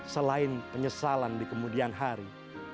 selain penyesalan di kemudian hari